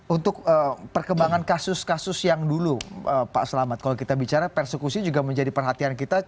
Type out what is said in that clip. untuk perkembangan kasus kasus yang dulu pak selamat kalau kita bicara persekusi juga menjadi perhatian kita